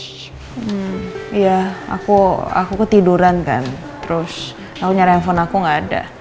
hmm iya aku ketiduran kan terus aku nyari handphone aku enggak ada